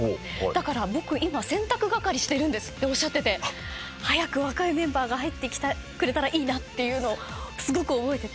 だから僕今洗濯係してるんですっておっしゃってて早く若いメンバーが入ってくれたらいいなっていうのすごく覚えてて。